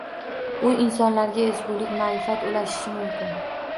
U insonlarga ezgulik, ma’rifat ulashishi mumkin.